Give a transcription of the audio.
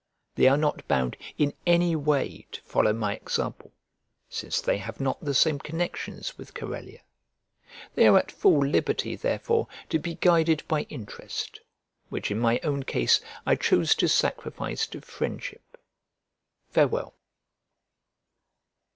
They are not bound in any way to follow my example, since they have not the same connections with Corellia. They are at full liberty therefore to be guided by interest, which in my own case I chose to sacrifice to friendship. Farewell.